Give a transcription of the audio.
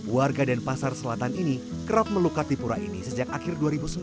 warga dan pasar selatan ini kerap melukat dipura ini sejak akhir dua ribu sembilan belas